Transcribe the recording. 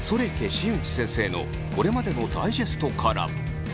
新内先生」のこれまでのダイジェストから。